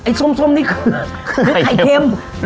ไอ้ไอ้ไอ้ไอ้ไอ้ไอ้ไอ้ไอ้ไอ้ไอ้ไอ้ไอ้ไอ้ไอ้ไอ้ไอ้ไอ้